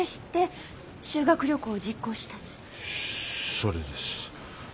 そうです。